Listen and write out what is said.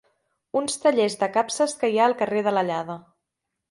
Uns tallers de capses que hi ha al carrer de l'Allada.